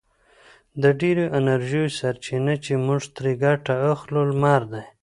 د ډېرو انرژیو سرچینه چې موږ ترې ګټه اخلو لمر دی.